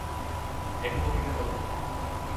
একটু কফি খেতে হবে।